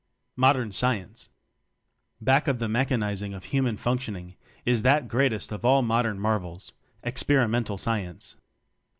Modern Science. Back of the mechanizing of human functioning is that greatest of all mod ern marvels experimental science.